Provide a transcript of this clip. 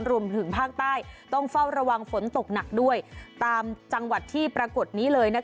รวมถึงภาคใต้ต้องเฝ้าระวังฝนตกหนักด้วยตามจังหวัดที่ปรากฏนี้เลย